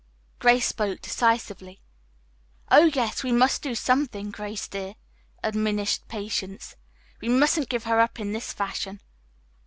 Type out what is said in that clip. Grace spoke decisively. "Oh, yes, we must do something, Grace dear," admonished Patience. "We mustn't give her up in this fashion."